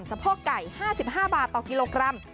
สะโพกไก่๕๕บาทต่อกิโลกรัม